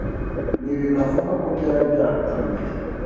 Ni ibintu avuga ko byari byaratangiye